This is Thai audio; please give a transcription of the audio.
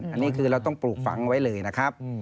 อันนี้คือเราต้องปลูกฝังไว้เลยนะครับ